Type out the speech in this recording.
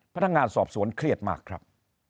พนักงานสอบสวนเครียดมากครับ